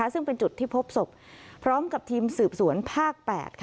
ซึ่งเป็นจุดที่พบศพพร้อมกับทีมสืบสวนภาค๘